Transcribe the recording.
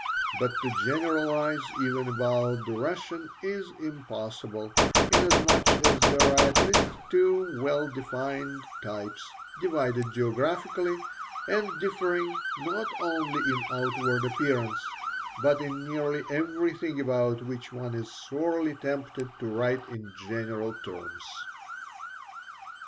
But to generalize even about the Russian is impossible, inasmuch as there are at least two well defined types, divided geographically, and differing not only in outward appearance, but in nearly everything about which one is sorely tempted to write in general terms.